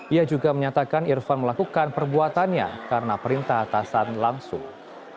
ia juga menyatakan irfan melakukan perbuatannya karena perintah atasan langsung